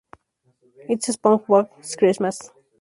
It's a SpongeBob Christmas!